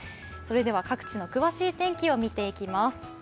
各地の詳しい天気を見ていきます。